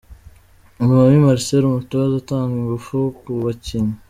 Lomami Marcel umutoza utanga ingufu ku bakinnyi.